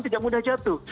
tidak mudah jatuh